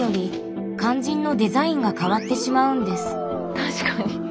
確かに。